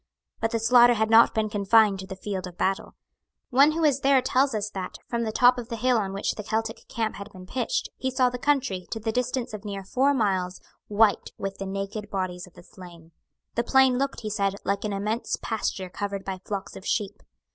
But the slaughter had not been confined to the field of battle. One who was there tells us that, from the top of the hill on which the Celtic camp had been pitched, he saw the country, to the distance of near four miles, white with the naked bodies of the slain. The plain looked, he said, like an immense pasture covered by flocks of sheep.